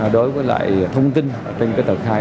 đối với lại thông tin trên tờ khai